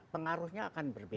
pengaruhnya akan berbeda